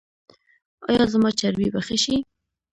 ایا زما چربي به ښه شي؟